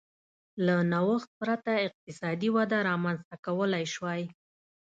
له نوښت پرته اقتصادي وده رامنځته کولای شوای.